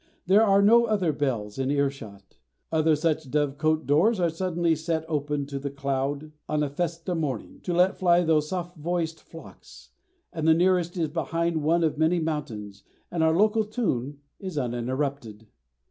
There are no other bells in earshot. Other such dovecote doors are suddenly set open to the cloud, on a festa morning, to let fly those soft voiced flocks, but the nearest is behind one of many mountains, and our local tune is uninterrupted.